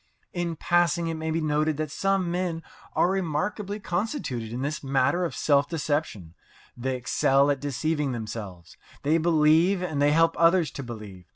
In passing, it may be noted that some men are remarkably constituted in this matter of self deception. They excel at deceiving themselves. They believe, and they help others to believe.